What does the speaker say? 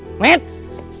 masih jaket ni lah